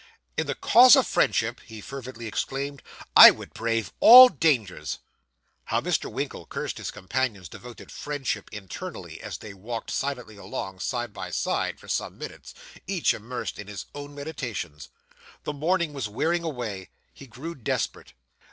'In the cause of friendship,' he fervently exclaimed, 'I would brave all dangers.' How Mr. Winkle cursed his companion's devoted friendship internally, as they walked silently along, side by side, for some minutes, each immersed in his own meditations! The morning was wearing away; he grew desperate.